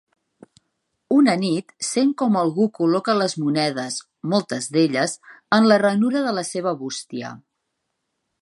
Una nit sent com algú col·loca les monedes, moltes d'elles, en la ranura de la seva bústia.